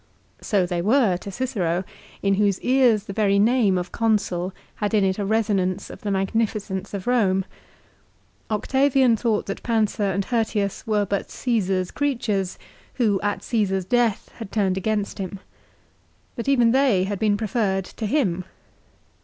So they were to Cicero, in whose ears the very name of Consul had in it a resonance of the magnificence of Rome. Octavian thought that Pansa and Hirtius were but Caesar's creatures who at Caesar's death had turned against him. But even they had been preferred to him.